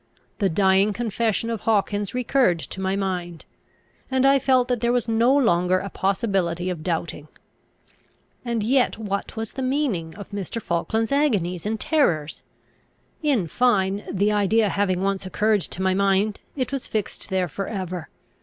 The dying confession of Hawkins recurred to my mind; and I felt that there was no longer a possibility of doubting. And yet what was the meaning of all Mr. Falkland's agonies and terrors? In fine, the idea having once occurred to my mind, it was fixed there for ever.